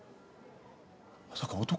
まさか男？